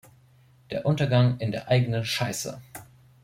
Der Untergang in der eigenen Scheiße!